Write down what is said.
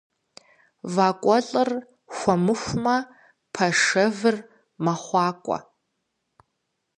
Вакӏуэлӏыр хуэмыхумэ, пашэвыр мэхъуакӏуэ.